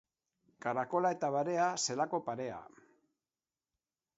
Karakola eta barea, zelako parea.